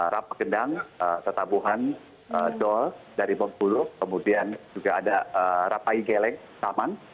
rap gendang tetabuhan doel dari bokbulu kemudian juga ada rapai geleng taman